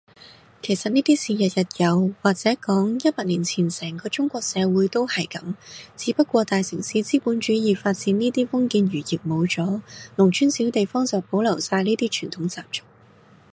其實呢啲事日日有，或者講，一百年前成個中國社會都係噉，只不過大城市資本主義發展呢啲封建餘孽冇咗，農村小地方就保留晒呢啲傳統習俗